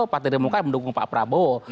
partai demokrat mendukung pak prabowo